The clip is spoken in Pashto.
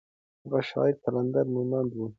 هغه شاعر قلندر مومند و.